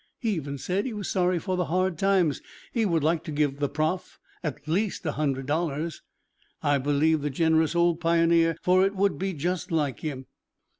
He even said he was sorry for the hard times; he would like to give the Prof. at least a hundred dollars. I believed the generous old pioneer, for it would be just like him.